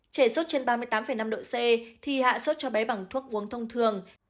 trẻ xót trên ba mươi tám năm độ c thì hạ xót cho bé bằng thuốc uống thông thường